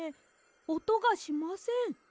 おとがしません。